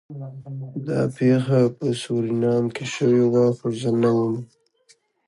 دا پیښه په سورینام کې شوې وه خو زه نه وم